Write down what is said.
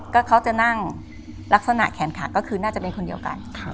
ก็เขาจะนั่งลักษณะแขนขาก็คือน่าจะเป็นคนเดียวกัน